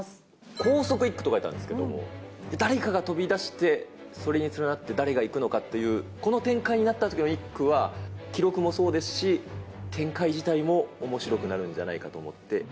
高速１区と書いたんですけれども、誰かが飛び出して、それに連なって誰がいくのかっていう、この展開になったときの１区は、記録もそうですし、展開自体もおもしろくなるんじゃないかと思って。